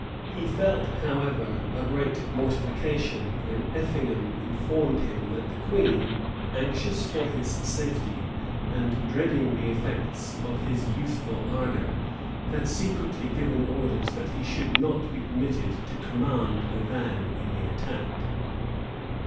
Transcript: He felt, however, a great mortification, when Effingham informed him, that the queen, anxious for his safety, and dreading the effects of his youthful ardor, had secretly given orders that he should not be permitted to command the van in the attack.